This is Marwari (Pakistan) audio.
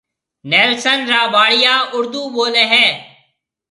نيلسن را ٻاݪيا اُردو ٻوليَ ھيََََ